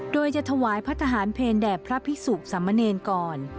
โดยจะถวายพระทหารเพลแด่พระพิสุสามเณรก่อน